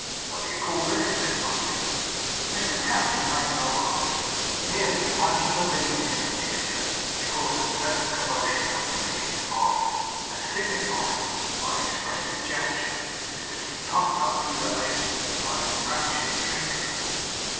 'What do you call this?' said Martin. But Mr Tapley made no answer; merely plunging a reed into the mixture which caused a pleasant commotion among the pieces of ice and signifying by an expressive gesture that it was to be pumped up through that agency by the enraptured drinker.